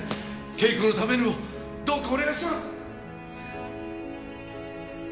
景子のためにもどうかお願いします！